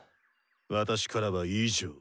私からは以上。